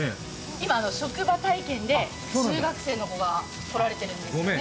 今、職場体験で中学生の子が来られてるんですよね。